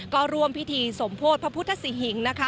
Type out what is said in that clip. ก็รวมพิธีสมโพธิพระพุทธาสิหิง